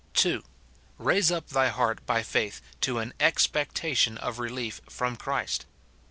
(2.) Raise up thy heart by faith to an expectation of relief from Christ.